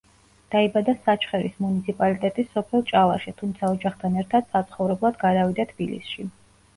დაიბადა საჩხერის მუნიციპალიტეტის სოფელ ჭალაში, თუმცა ოჯახთან ერთად საცხოვრებლად გადავიდა თბილისში.